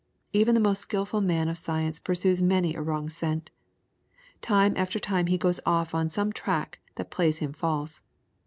Even the most skilful man of science pursues many a wrong scent. Time after time he goes off on some track that plays him false.